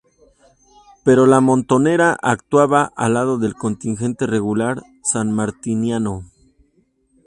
Pero la montonera actuaba al lado del contingente regular sanmartiniano.